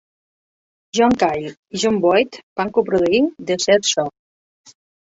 John Cale i Joe Boyd va coproduir "Desertshore".